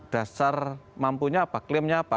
dasar mampunya apa klaimnya apa